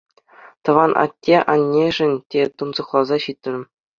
Тӑван атте-аннешӗн те тунсӑхласа ҫитрӗм.